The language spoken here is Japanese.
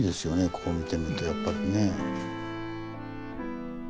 こう見てみるとやっぱりね。